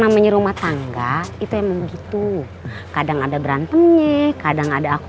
pematangnya kayak gitu makanya buruan nikah deh